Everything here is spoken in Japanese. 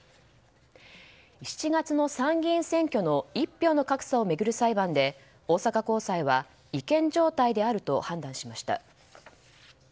７月の参議院選挙の一票の格差を巡る裁判で大阪高裁は違憲状態であると判断しました。